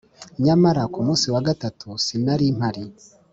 nyamara, ku munsi wa gatatu, sinari mpari